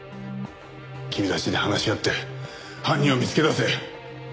君たちで話し合って犯人を見つけ出せ。